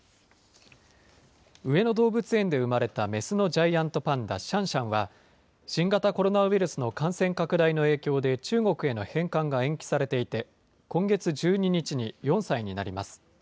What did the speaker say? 上野動物園で生まれた雌のジャイアントパンダ、シャンシャンは、新型コロナウイルスの感染拡大の影響で、中国への返還が延期されていて、今月１２日に４歳になります。